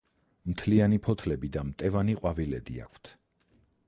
მთლიანი ფოთლები და მტევანი ყვავილედი აქვთ.